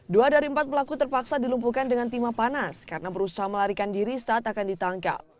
dua dari empat pelaku terpaksa dilumpuhkan dengan timah panas karena berusaha melarikan diri saat akan ditangkap